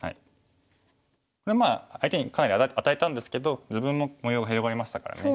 これ相手にかなり与えたんですけど自分も模様が広がりましたからね。